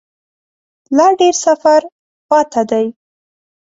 لا ډیر سفر پاته دی